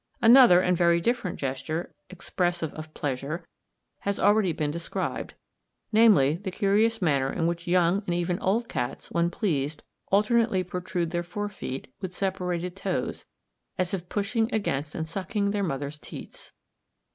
Another and very different gesture, expressive of pleasure, has already been described, namely, the curious manner in which young and even old cats, when pleased, alternately protrude their fore feet, with separated toes, as if pushing against and sucking their mother's teats.